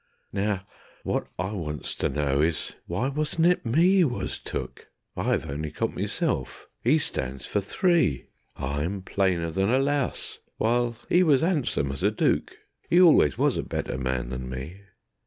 Now wot I wants to know is, why it wasn't me was took? I've only got meself, 'e stands for three. I'm plainer than a louse, while 'e was 'andsome as a dook; 'E always was a better man than me.